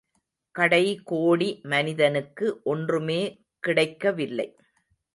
கடை கோடி மனிதனுக்கு ஒன்றுமே கிடைக்க வில்லை.